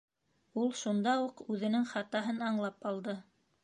Ул шунда уҡ үҙенең хатаһын аңлап алды.